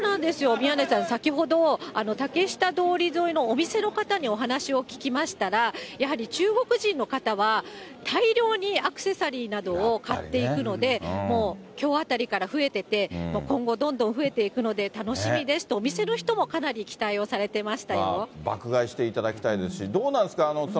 宮根さん、先ほど竹下通り沿いのお店の方にお話を聞きましたら、やはり中国人の方は大量にアクセサリーなどを買っていくので、もうきょうあたりから増えてて、今後どんどん増えていくので楽しみですと、お店の人もかなり期待爆買いしていただきたいですし、どうなんですか？